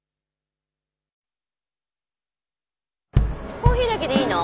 コーヒーだけでいいの？